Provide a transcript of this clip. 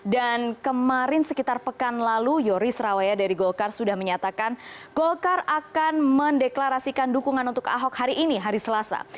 dan kemarin sekitar pekan lalu yoris rawaya dari golkar sudah menyatakan golkar akan mendeklarasikan dukungan untuk ahok hari ini hari selasa